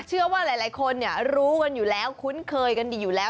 เชื่อว่าหลายคนรู้กันอยู่แล้วคุ้นเคยกันดีอยู่แล้ว